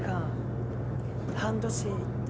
半年行って。